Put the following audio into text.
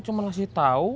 cuma kasih tahu